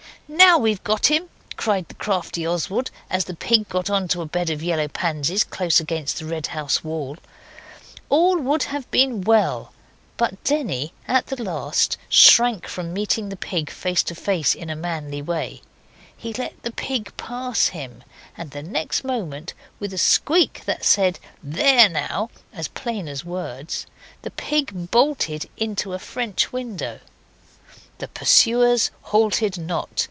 'Now we've got him!' cried the crafty Oswald, as the pig got on to a bed of yellow pansies close against the red house wall. All would even then have been well, but Denny, at the last, shrank from meeting the pig face to face in a manly way. He let the pig pass him, and the next moment, with a squeak that said 'There now!' as plain as words, the pig bolted into a French window. The pursuers halted not.